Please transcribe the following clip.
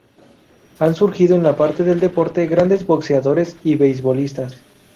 Han surgido en la parte del deporte grandes boxeadores y beisbolistas.